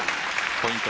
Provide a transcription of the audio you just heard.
ポイント